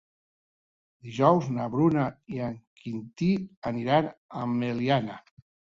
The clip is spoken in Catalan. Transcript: Dijous na Bruna i en Quintí aniran a Meliana.